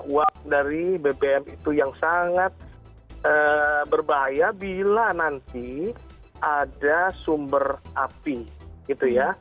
uap dari bbm itu yang sangat berbahaya bila nanti ada sumber api gitu ya